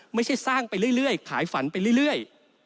ไม่ใช่สร้างไปเรื่อยขายฝันไปเรื่อย